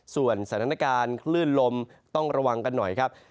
ส่วนสถานการณ์คลื่นลมต้องระวังกันหน่อยครับ